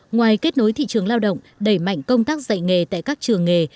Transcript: ngoài kết nối thị trường lao động đẩy mạnh công tác dạy nghề tại các trường nghề